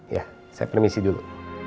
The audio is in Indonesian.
ya saya permisi dulu